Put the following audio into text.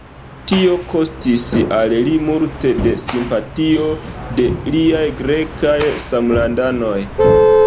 Tio kostis al li multe de simpatio de liaj grekaj samlandanoj.